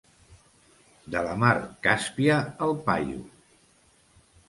De la mar Càspia, el paio.